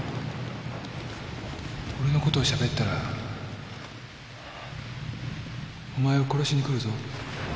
俺のことをしゃべったらお前を殺しに来るぞ。